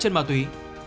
chân ma túy